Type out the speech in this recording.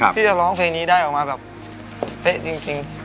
ที่จะร้องเพลงนี้ได้ออกมาแบบเป๊ะจริง